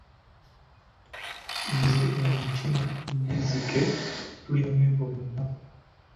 Nze, enkima n'ezzike tulya amenvu buli lunaku.